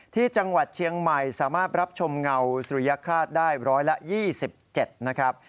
ที่จังหวัดเชียงใหม่สามารถรับชมเงาสุริยคราชได้๑๒๗นะครับ